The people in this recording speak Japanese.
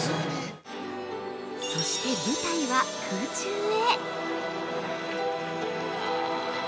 ◆そして舞台は、空中へ。